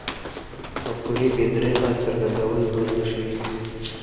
مفکورې بې درېغه څرګندول دود نه شوی.